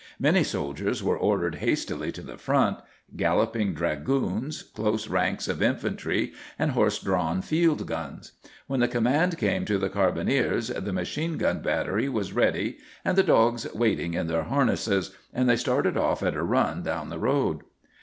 Many soldiers were ordered hastily to the front galloping dragoons, close ranks of infantry, and horse drawn field guns. When the command came to the carbineers, the machine gun battery was ready and the dogs waiting in their harnesses, and they started off at a run down the road.